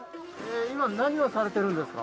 今何をされてるんですか？